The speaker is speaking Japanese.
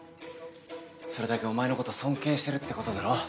それだけお前のこと尊敬してるってことだろ。